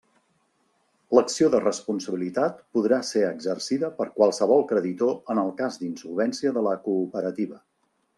L'acció de responsabilitat podrà ser exercida per qualsevol creditor en el cas d'insolvència de la cooperativa.